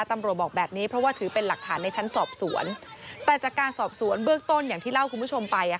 ตำรวจบอกแบบนี้เพราะว่าถือเป็นหลักฐานในชั้นสอบสวนแต่จากการสอบสวนเบื้องต้นอย่างที่เล่าคุณผู้ชมไป